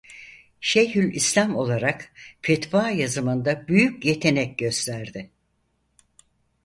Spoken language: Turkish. Şeyhülislam olarak fetva yazımında büyük yetenek gösterdi.